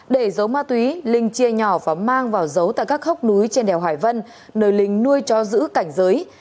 để giấu ma túy linh chia nhỏ và mang vào giấu tại các hốc núi trên đèo hải vân nơi linh nuôi cho giữ cảnh giới